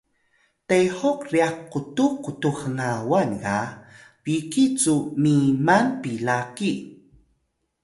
tehok ryax qutux qutux hngawan ga biqiy cu miman pila ki?